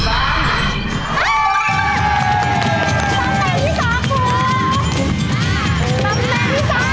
เหลืออีกสอง